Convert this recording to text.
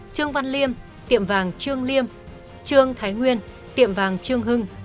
trương văn liêm tiệm vàng trương liêm trương thái nguyên tiệm vàng trương hưng